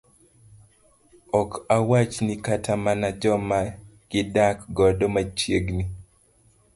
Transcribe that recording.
ok awachni kata mana joma gidak godo machiegni